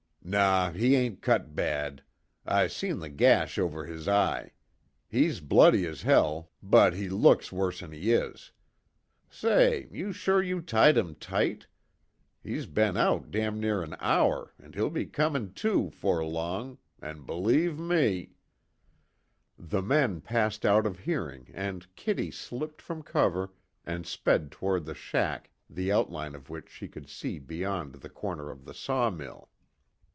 "Naw, he ain't cut bad. I seen the gash over his eye. He's bloody as hell, but he looks worse'n he is. Say, you sure you tied him tight? He's been out damn near an hour an' he'll be comin' to, 'fore long an' believe me " The men passed out of hearing and Kitty slipped from cover and sped toward the shack the outline of which she could see beyond the corner of the sawmill.